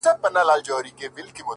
ورځه وريځي نه جــلا ســـولـه نـــن;